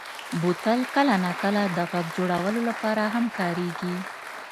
بوتل کله ناکله د غږ جوړولو لپاره هم کارېږي.